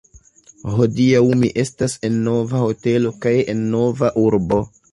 Hodiaŭ mi estas en nova hotelo kaj en nova urbo.